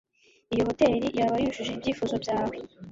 iyo hoteri yaba yujuje ibyifuzo byawe